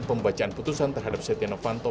pembacaan putusan terhadap setia novanto